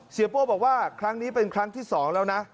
โป้บอกว่าครั้งนี้เป็นครั้งที่๒แล้วนะ